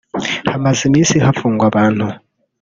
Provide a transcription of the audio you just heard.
Hamaze iminsi hafungwa abantu